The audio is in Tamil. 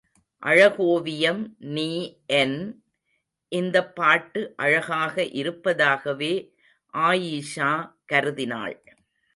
அழகோவியம் நீ என்... இந்தப் பாட்டு அழகாக இருப்பதாகவே ஆயீஷா கருதினாள்.